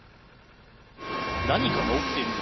何かが起きている。